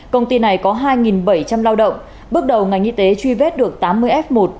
công ty này có hai bảy trăm linh lao động bước đầu ngành y tế truy vết được tám mươi f một